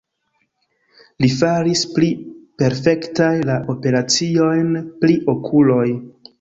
Li faris pli perfektaj la operaciojn pri okuloj.